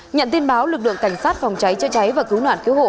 nhận tin báo lực lượng cảnh sát phòng cháy chữa cháy và cứu nạn cứu hộ